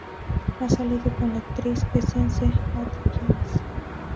Ha salido con la actriz Essence Atkins.